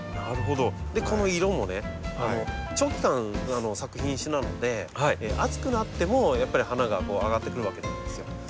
でこの色もね長期間咲く品種なので暑くなってもやっぱり花が上がってくるわけなんですよ。